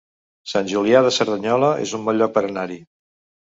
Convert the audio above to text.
Sant Julià de Cerdanyola es un bon lloc per anar-hi